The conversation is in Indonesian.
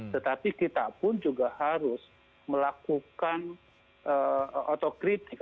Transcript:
tetapi kita pun juga harus melakukan otokritik